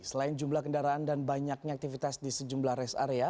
selain jumlah kendaraan dan banyaknya aktivitas di sejumlah rest area